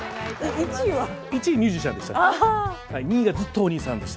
１位ミュージシャンでした。